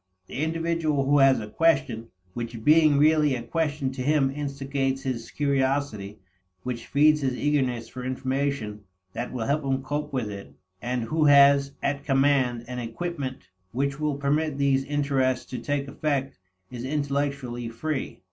The individual who has a question which being really a question to him instigates his curiosity, which feeds his eagerness for information that will help him cope with it, and who has at command an equipment which will permit these interests to take effect, is intellectually free.